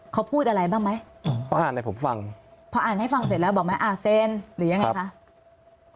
เขาพูดอะไรบ้างไหมอ๋ออ่านให้ผมฟังพออ่านให้ฟังเสร็จแล้วบอกไหมอ่าเซนหรือยังไงคะ